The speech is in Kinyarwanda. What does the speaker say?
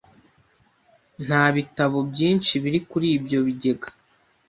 Nta bitabo byinshi biri kuri ibyo bigega.